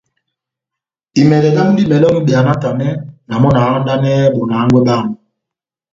Imɛdɛ damu dímɛdɛnɔ ibeya náhtanɛ, na mɔ́ na handanɛhɛ bona hángwɛ bámu.